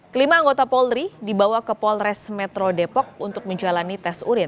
kelima anggota polri dibawa ke polres metro depok untuk menjalani tes urin